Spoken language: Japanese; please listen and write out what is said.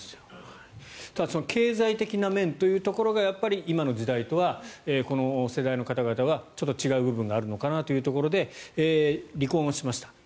経済的な面というのがやっぱり今の時代とはこの世代の方々はちょっと違う部分があるのかなというところで離婚をしました。